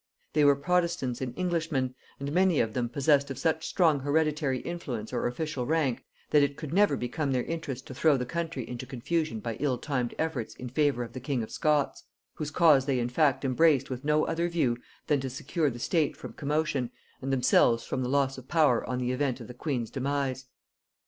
They were protestants and Englishmen, and many of them possessed of such strong hereditary influence or official rank, that it could never become their interest to throw the country into confusion by ill timed efforts in favor of the king of Scots; whose cause they in fact embraced with no other view than to secure the state from commotion, and themselves from the loss of power on the event of the queen's demise.